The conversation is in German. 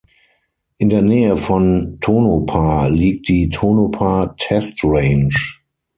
In der Nähe von Tonopah liegt die Tonopah Test Range.